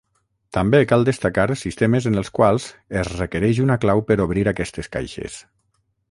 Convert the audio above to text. També cal destacar sistemes en els quals es requereix una clau per obrir aquestes caixes.